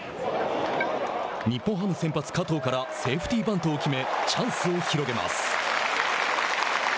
日本ハム先発加藤からセーフティーバントを決めチャンスを広げます。